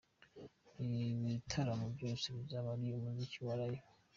Ibi bitaramo byose bizaba ari umuziki wa Live.